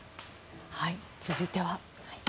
続いては。